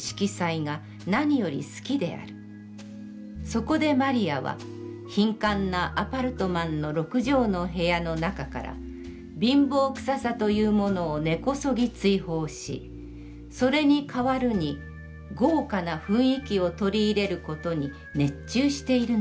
そこで魔利は貧寒なアパルトマンの六畳の部屋の中から、貧乏臭さというものを根こそぎ追放し、それに代るに豪華な雰囲気をとり入れることに、熱中しているのである。